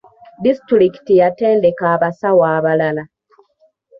Disitulikiti yatendeka abasawo abalala.